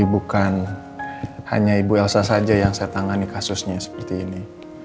bukan hanya ibu elsa saja yang saya tangani kasusnya seperti ini